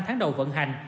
năm tháng đầu vận hành